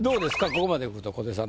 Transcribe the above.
ここまでくると小手さん